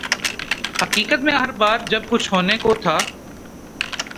حقیقت میں ہر بار جب کچھ ہونے کو تھا۔